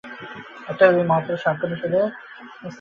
অতএব এই মহাপুরুষের আজ্ঞানুসারে দিন কয়েক এ স্থানে থাকিব।